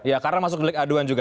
ya karena masuk delik aduan juga